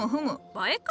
映えか。